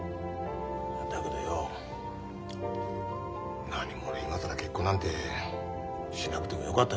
だけどよなにも俺今更結婚なんてしなくてもよかったような気がして。